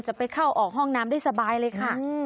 ไปเข้าออกห้องน้ำได้สบายเลยค่ะ